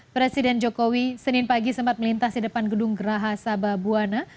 presiden jokowi senin pagi sempat melintas di depan gedung geraha sababwana